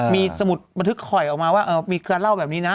มีสมุดบันทึกคอยออกมาว่ามีการเล่าแบบนี้นะ